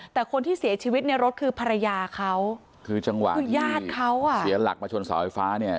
แต่คนที่เสียชีวิตในรถคือภรรยาเขาคือยาดเขาอะคือจังหวะที่เสียหลักมาชนเสาไฟฟ้าเนี้ย